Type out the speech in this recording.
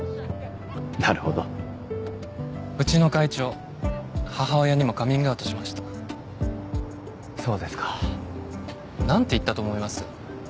なるほどうちの会長母親にもカミングアウトしましたそうですかなんて言ったと思います？